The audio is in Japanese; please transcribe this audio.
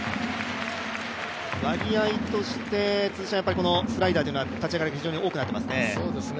割合として、スライダーとは立ち上がりは非常に多くなっていますね。